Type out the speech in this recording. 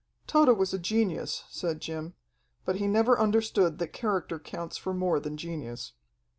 "Tode was a genius," said Jim, "but he never understood that character counts for more than genius."